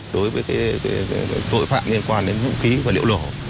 đối với tội phạm liên quan đến vũ khí và liệu nổ